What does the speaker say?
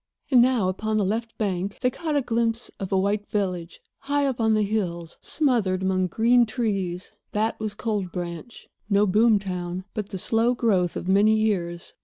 And now, upon the left bank, they caught a glimpse of a white village, high up on the hills, smothered among green trees. That was Cold Branch—no boom town, but the slow growth of many years.